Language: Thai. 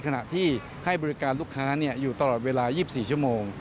ขณะที่ให้บริการลูกค้าอยู่ตลอดเวลา๒๔ชั่วโมง